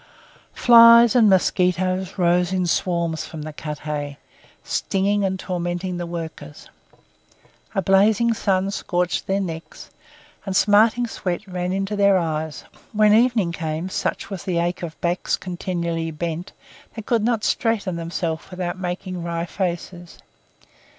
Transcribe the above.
Flies and mosquitos rose in swarms from the cut hay, stinging and tormenting the workers; a blazing sun scorched their necks, and smarting sweat ran into their eyes; when evening came, such was the ache of backs continually bent, they could not straighten themselves without making wry faces.